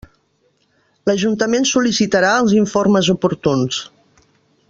L'ajuntament sol·licitarà els informes oportuns.